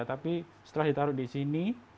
tapi setelah ditaruh di sini